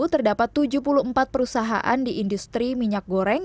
terdapat tujuh puluh empat perusahaan di industri minyak goreng